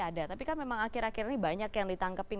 ada tapi kan memang akhir akhir ini banyak yang ditangkepin